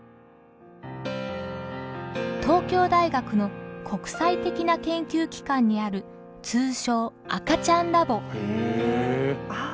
東京大学の国際的な研究機関にある通称赤ちゃんラボ。